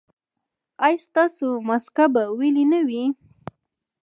ایا ستاسو مسکه به ویلې نه وي؟